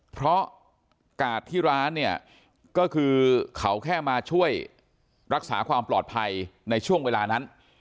เพราะกาดที่ร้านเนี่ยก็คือเขาแค่มาช่วยรักษาความปลอดภัยในช่วงเวลานั้น